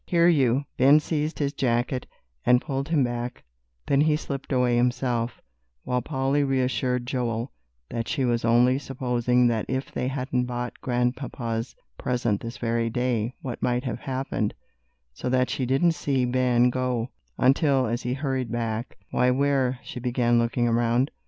"Here, you!" Ben seized his jacket and pulled him back, then he slipped away himself, while Polly reassured Joel that she was only supposing that if they hadn't bought Grandpapa's present this very day what might have happened, so that she didn't see Ben go, until, as he hurried back, "Why, where " she began, looking around.